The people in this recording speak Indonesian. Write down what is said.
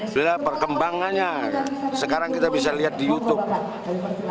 sudah perkembangannya sekarang kita bisa lihat di youtube